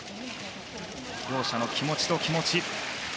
両者の気持ちと気持ち。